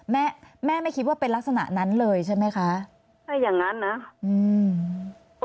แม่แม่ไม่คิดว่าเป็นลักษณะนั้นเลยใช่ไหมคะถ้าอย่างงั้นนะอืม